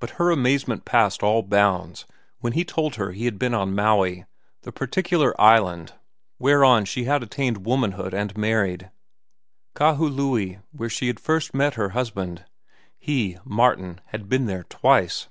But her amazement passed all bounds when he told her he had been on Maui, the particular island whereon she had attained womanhood and married. Kahului, where she had first met her husband,—he, Martin, had been there twice!